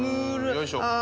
よいしょ。